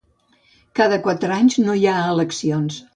Cada quatre anys no hi ha eleccions.